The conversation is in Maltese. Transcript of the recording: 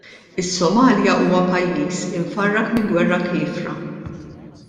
Is-Somalia huwa pajjiż imfarrak minn gwerra kiefra.